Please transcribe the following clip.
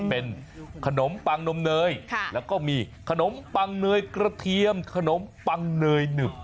เป็นขนมปังนมเนยแล้วก็มีขนมปังเนยกระเทียมขนมปังเนยหนึบ